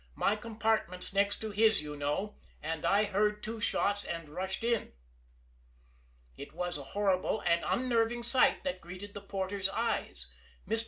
My compartment's next to this, you know, and I heard two shots and rushed in." It was a horrible and unnerving sight that greeted the porter's eyes. Mr.